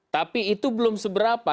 tapi itu belum seberapa